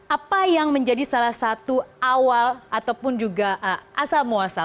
apa yang menjadi salah satu awal ataupun juga asal muasal